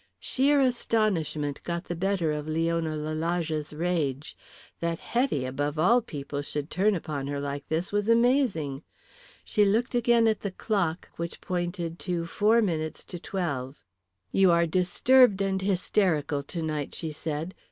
Sheer astonishment got the better of Leona Lalage's rage. That Hetty above all people should turn upon her like this was amazing. She looked again at the clock, which pointed to four minutes to twelve. "You are disturbed and hysterical tonight," she said.